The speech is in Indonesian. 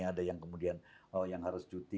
ada yang kemudian yang harus cuti